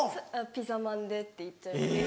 「ピザまんで」って言っちゃいます。